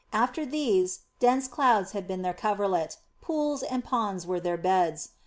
After these dense clouds had been their coverlet, pools and ponds were their beds.